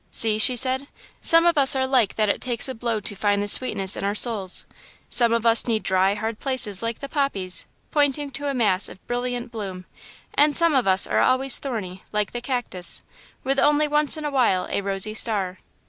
"See," she said, "some of us are like that it takes a blow to find the sweetness in our souls. Some of us need dry, hard places, like the poppies " pointing to a mass of brilliant bloom "and some of us are always thorny, like the cactus, with only once in a while a rosy star.